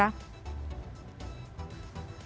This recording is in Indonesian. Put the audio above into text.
apakah ini cukup mengkhawatirkan